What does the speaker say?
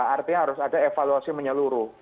artinya harus ada evaluasi menyeluruh